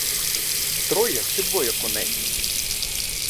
Троє чи двоє коней?